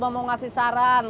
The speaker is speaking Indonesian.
cuma mau kasih saran